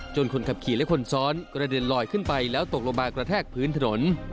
คนขับขี่และคนซ้อนกระเด็นลอยขึ้นไปแล้วตกลงมากระแทกพื้นถนน